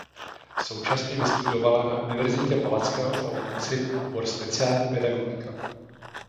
Současně vystudovala na Univerzitě Palackého v Olomouci obor Speciální pedagogika.